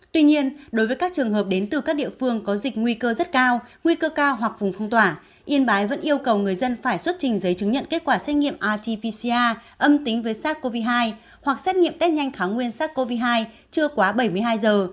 tuy nhiên đối với các trường hợp đến từ các địa phương có dịch nguy cơ rất cao nguy cơ cao hoặc vùng phong tỏa yên bái vẫn yêu cầu người dân phải xuất trình giấy chứng nhận kết quả xét nghiệm rt pcca âm tính với sars cov hai hoặc xét nghiệm test nhanh kháng nguyên sars cov hai chưa quá bảy mươi hai giờ